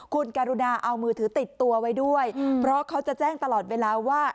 คุณการุณาเอามือถือติดตัวไว้ด้วยเพราะเขาจะแจ้งตลอดเวลาว่า